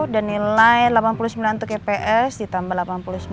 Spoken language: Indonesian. dan nilai delapan puluh sembilan untuk eps ditambah delapan puluh sembilan